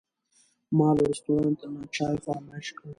ما له رستورانت نه چای فرمایش کړ.